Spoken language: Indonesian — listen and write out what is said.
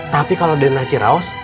tapi kalau dena ciraus